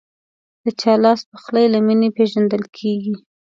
د چا لاسپخلی له مینې پیژندل کېږي.